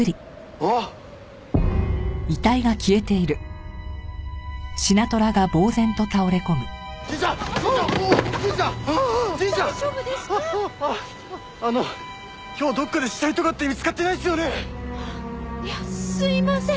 あっいやすいません。